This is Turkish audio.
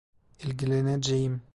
İlgileneceğim.